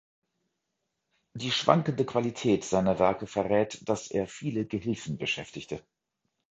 Die schwankende Qualität seiner Werke verrät, dass er viele Gehilfen beschäftigte.